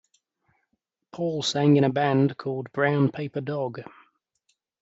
Paul sang in a band called Brown Paper Dog.